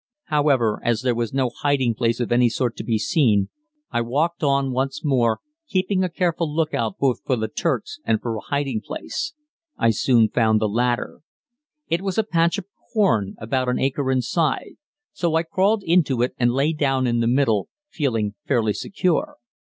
However, as there was no hiding place of any sort to be seen, I walked on once more, keeping a very careful lookout both for the Turks and for a hiding place. I soon found the latter. It was a patch of corn about an acre in size, so I crawled into it and lay down in the middle, feeling fairly secure.